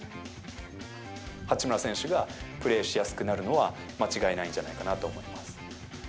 八村選手がプレーしやすくなるのは間違いないんじゃないかな